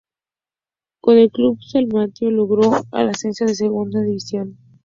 Con el club salmantino logró el ascenso a Segunda División.